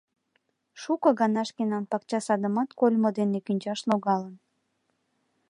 Шуко гана шкенан пакча садымат кольмо дене кӱнчаш логалын.